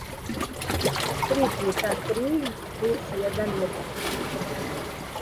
три пута три плус један је десет.